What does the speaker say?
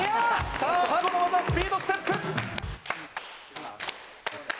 さぁ最後の技スピードステップ！